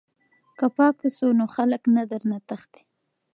که پاک اوسو نو خلک نه درنه تښتي.